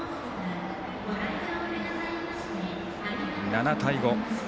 ７対５。